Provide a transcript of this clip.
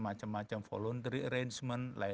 macam macam voluntary arrangement